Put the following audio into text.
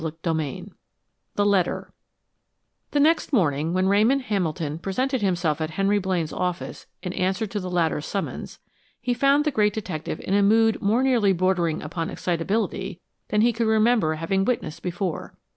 CHAPTER VII THE LETTER The next morning, when Ramon Hamilton presented himself at Henry Blaine's office in answer to the latter's summons, he found the great detective in a mood more nearly bordering upon excitability than he could remember having witnessed before.